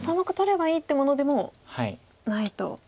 ３目取ればいいってものでもないと。